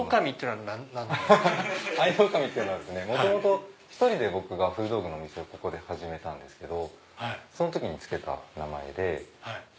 はいいろオオカミっていうのは元々１人で僕が古道具のお店をここで始めたんですけどその時に付けた名前で。